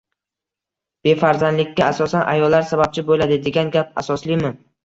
Befarzandlikka asosan ayollar sababchi bo‘ladi, degan gap asoslimi?